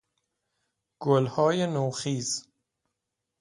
گلهای نوخیز